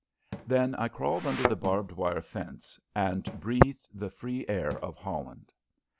Then I crawled under the barbed wire fence and breathed the free air of Holland!